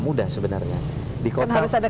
mudah sebenarnya di kota kan harus ada